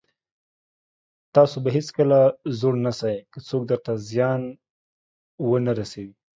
تاسو به هېڅکله زړور نسٸ، که څوک درته زيان ونه رسوي.